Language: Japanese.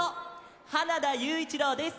花田ゆういちろうです。